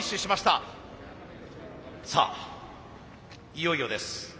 さあいよいよです。